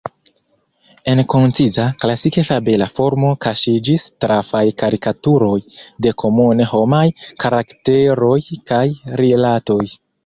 En konciza, klasike fabela formo kaŝiĝis trafaj karikaturoj de komune homaj karakteroj kaj rilatoj.